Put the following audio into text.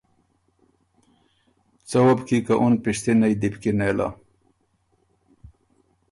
څۀ وه بو کی که اُن پِشتِنئ دی کی نېله۔